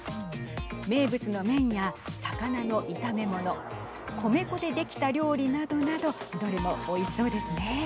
名物の麺や魚の炒め物米粉で出来た料理などなどどれもおいしそうですね。